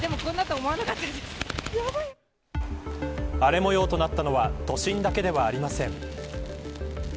荒れ模様となったのは都心だけではありません。